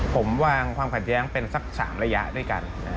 ผมวางความขัดแย้งเป็นสัก๓ระยะด้วยกัน